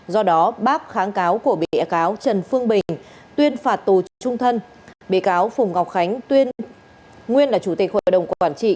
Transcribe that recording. do đó bác kháng cáo của bị cáo trần phương bình tuyên phạt tù trung thân bị cáo phùng ngọc khánh tuyên nguyên là chủ tịch hội đồng quản trị